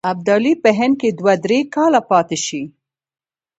ابدالي په هند کې دوه درې کاله پاته شي.